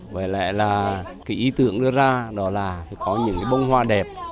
với lại là cái ý tưởng đưa ra đó là có những cái bông hoa đẹp